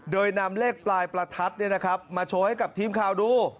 โดยนำเลขปลายประทัดเนี่ยนะครับมาโชว์ให้กับทีมข่าวดู